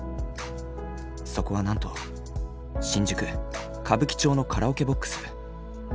そこはなんと新宿・歌舞伎町のカラオケボックス。